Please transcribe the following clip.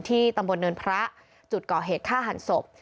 ตำบลเนินพระจุดก่อเหตุฆ่าหันศพ